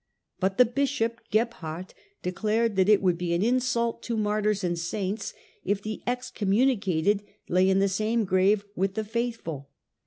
But the bishop, Gebhard, declared that it would be an insult to martyrs and saints if the excommunicated lay in the same grave with the faithfiil.